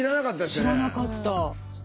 知らなかった。